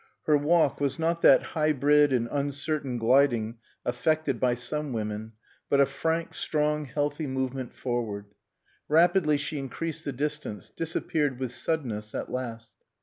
Her walk was not that hybrid and uncertain gliding affected by some women, but a frank, strong, healthy movement forward. Rapidly she increased the distance disappeared with suddenness at last.